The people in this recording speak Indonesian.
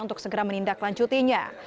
untuk segera menindaklanjutinya